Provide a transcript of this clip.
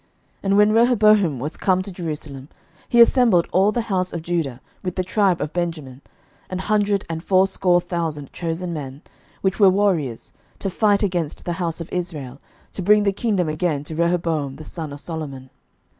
11:012:021 And when Rehoboam was come to Jerusalem, he assembled all the house of Judah, with the tribe of Benjamin, an hundred and fourscore thousand chosen men, which were warriors, to fight against the house of Israel, to bring the kingdom again to Rehoboam the son of Solomon.